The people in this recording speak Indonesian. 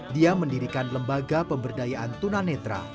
dia mendirikan lembaga pemberdayaan tunanetra